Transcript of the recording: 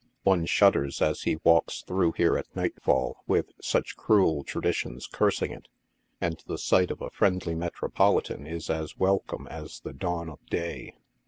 One shudders as he walks through here at night fall with such cruel traditions cursing it, and the sight of a friendly Metropolitan is as welcome as the dawn of day.